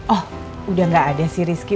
oh udah gak ada sih rizky